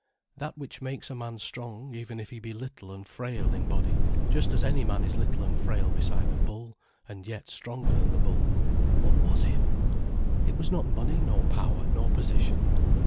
That which makes a man strong even if he be little and frail in body, just as any man is little and frail beside a bull, and yet stronger than the bull, what was it? It was not money nor power nor position.